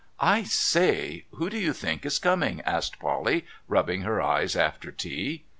'I say! Who do you think is coming?' asked Polly, rubbing her eyes after tea.